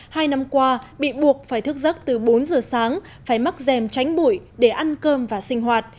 hai năm qua bị buộc phải thức giấc từ bốn giờ sáng phải mắc dèm tránh bụi để ăn cơm và sinh hoạt